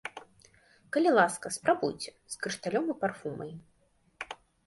Калі ласка, спрабуйце, з крышталём і парфумай.